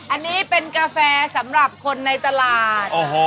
อันนี้เป็นกาแฟสำหรับคนในตลาด